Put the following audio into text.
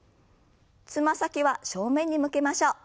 つま先は正面に向けましょう。